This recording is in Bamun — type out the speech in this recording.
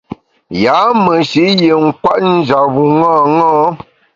Yâ meshi’ yin kwet njap bu ṅaṅâ.